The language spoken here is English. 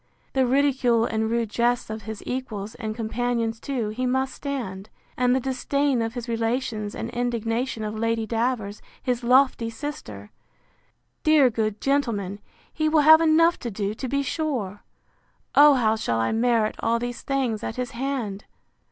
The ridicule and rude jests of his equals, and companions too, he must stand: And the disdain of his relations, and indignation of Lady Davers, his lofty sister! Dear good gentleman! he will have enough to do, to be sure! O how shall I merit all these things at his hand!